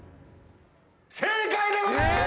正解でございます！